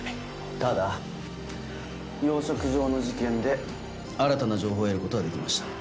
ただ養殖場の事件で新たな情報を得ることができました。